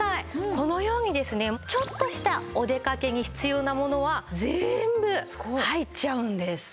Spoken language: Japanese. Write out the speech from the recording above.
このようにですねちょっとしたお出かけに必要なものは全部入っちゃうんです。